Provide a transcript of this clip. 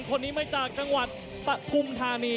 คนนี้มาจากจังหวัดปฐุมธานี